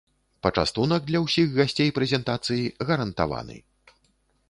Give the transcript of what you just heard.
Пачастунак для ўсіх гасцей прэзентацыі гарантаваны.